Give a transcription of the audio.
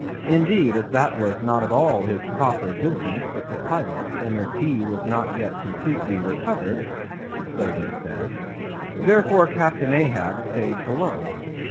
Indeed, as that was not at all his proper business, but the pilot's; and as he was not yet completely recovered—so they said—therefore, Captain Ahab stayed below.